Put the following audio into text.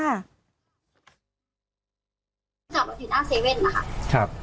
จากรถที่น่า๗นะคะ